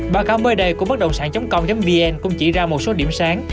báo cáo mới đây của bất đồng sản chống công vn cũng chỉ ra một số điểm sáng